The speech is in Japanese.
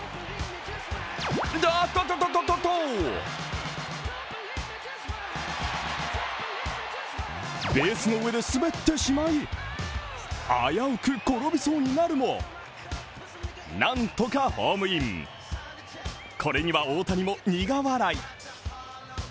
おっとっとっとベースの上で滑ってしまい危うく転びそうになるも、なんとかホームインこれには大谷も苦笑い。